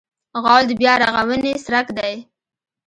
غول د بیا رغونې څرک دی.